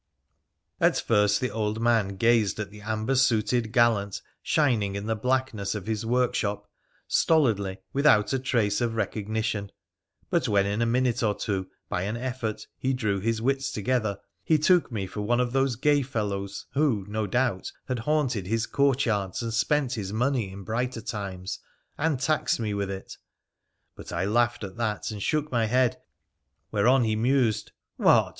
At first the old man gazed at the amber suited gallant shining in the blackness of his workshop, stolidly, without a trace of recognition, but, when in a minute or two by an effort he drew his wits together, he took me for one of those gay fellows, who, no doubt, had haunted his courtyards and spent his money in brighter times, and taxed me with it. But I laughed at that and shook my head, whereon he mused —' What